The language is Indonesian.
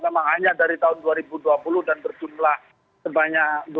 namanya dari tahun dua ribu dua puluh dan berjumlah sebanyak dua belas